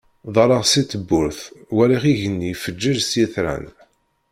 Ḍalleɣ si tewwurt walaɣ igenni ifeǧǧeǧ s yitran.